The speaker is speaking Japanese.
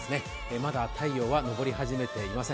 まだ太陽は昇り始めていません。